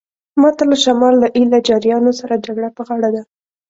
ماته له شمال له ایله جاریانو سره جګړه په غاړه ده.